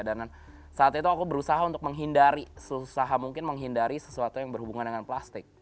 dan saat itu aku berusaha untuk menghindari selusaha mungkin menghindari sesuatu yang berhubungan dengan plastik